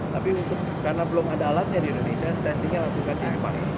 tapi karena belum ada alatnya di indonesia testingnya lakukan di jepang